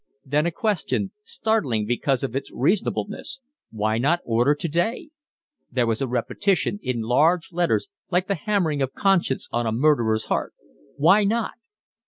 Then a question, startling because of its reasonableness: Why not order today? There was a repetition, in large letters, like the hammering of conscience on a murderer's heart: Why not?